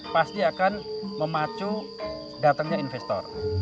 pasti akan memacu datangnya investor